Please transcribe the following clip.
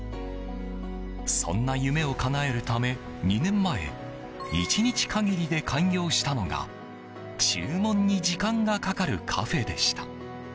そんな夢をかなえるため２年前、１日限りで開業したのが注文に時間がかかるカフェでした。